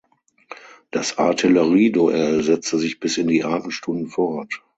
Das Artillerieduell setzte sich bis in die Abendstunden fort.